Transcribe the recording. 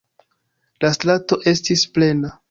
La strato estis plena.